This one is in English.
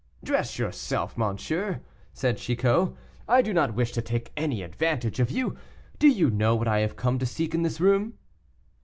"Dress yourself, monsieur," said Chicot; "I do not wish to take any advantage of you. Do you know what I have come to seek in this room?"